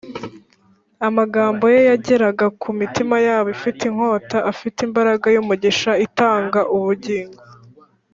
amagambo ye yageraga ku mitima yabo ifite inyota afite imbaraga y’umugisha itanga ubugingo